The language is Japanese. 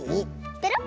ペロッ！